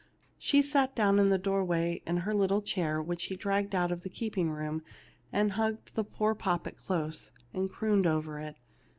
She sat down in the door way in her little chair, which she dragged out of the keeping room, and hugged the poor poppet close, and crooned over it.